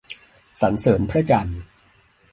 สรรเสริญพระจันทร์